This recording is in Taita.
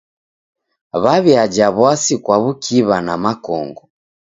W'aw'iaja w'asi kwa w'ukiw'a na makongo.